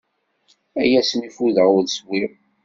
Ay asmi ffudeɣ ur swiɣ.